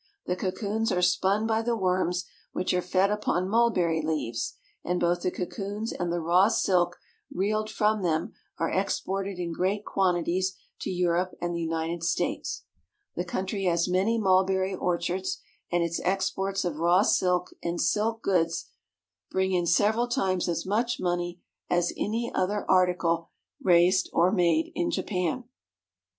The cocoons are spun by the worms, which are fed upon mul berry leaves, and both the cocoons and the raw silk reeled from them are exported in great quantities to Europe and the United States. The country has many mulberry orchards, and its exports of raw silk and silk goods bring Rolling and curing Tea Leaves. COMMERCIAL AND INDUSTRIAL JAPAN 8/ in several times as much money as any other article raised or made in Japan.